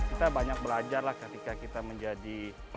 kita banyak belajar lah ketika kita menjadi